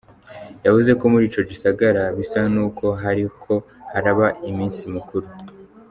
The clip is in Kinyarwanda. Yavuze ko muri ico gisagara bisa n'uko hariko haraba imisi mikuru.